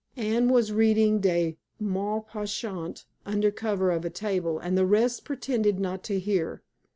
Anne was reading De Maupassant under cover of a table, and the rest pretended not to hear.